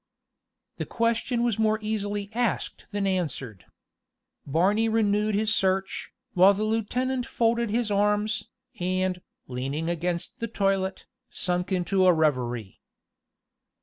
The question was more easily asked than answered. Barney renewed his search, while the lieutenant folded his arms, and, leaning against the toilet, sunk into a reverie.